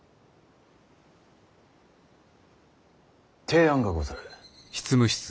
提案がござる。